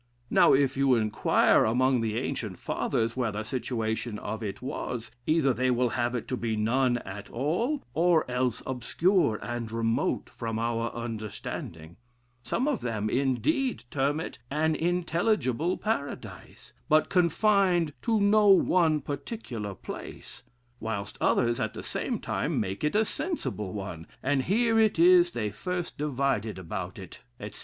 Now, if you inquire among the ancient fathers where the situation of it was, either they will have it to be none at all, or else obscure and remote from our understanding; some of them, indeed, term it an intelligible Paradise, but confined to no one particular place; whilst others, at the same time make it a sensible one, and here it is they first divided about it, etc....